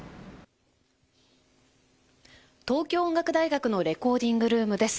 東京音楽大学のレコーディングルームです。